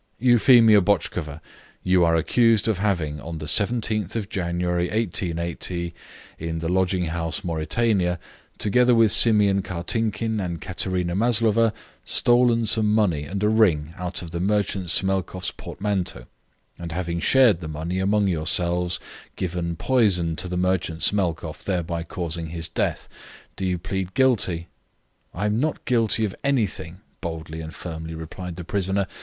"Euphemia Botchkova, you are accused of having, on the 17th of January, 188 , in the lodging house Mauritania, together with Simeon Kartinkin and Katerina Maslova, stolen some money and a ring out of the merchant Smelkoff's portmanteau, and having shared the money among yourselves, given poison to the merchant Smelkoff, thereby causing his death. Do you plead guilty?" "I am not guilty of anything," boldly and firmly replied the prisoner.